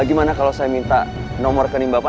gimana kalau saya minta nomor rekening bapak